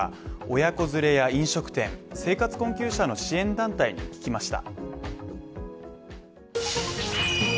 親子連れや飲食店生活困窮者の支援団体に聞きました。